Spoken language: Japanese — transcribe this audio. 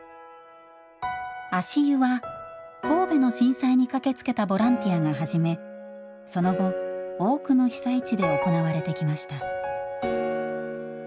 足湯は神戸の震災に駆けつけたボランティアが始めその後多くの被災地で行われてきました。